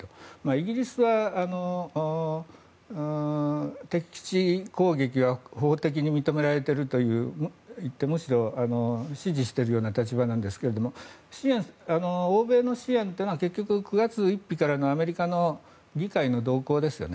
イギリスは敵基地攻撃は法的に認められているといってむしろ支持しているような立場ですが欧米の支援というのは結局９月１日からのアメリカの議会の動向ですよね。